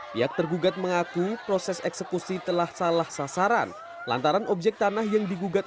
pihak tergugat mengaku proses eksekusi telah salah sasaran lantaran objek tanah yang digugat